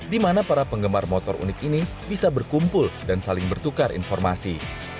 di mana para penggemar motor unik ini bisa berkumpul dan saling bertukar informasi